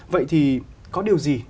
vậy thì có điều gì